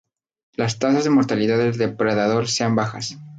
Las tasas de mortalidad del depredador sean bajas.